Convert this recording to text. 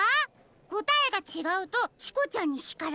こたえがちがうとチコちゃんにしかられるんですよ。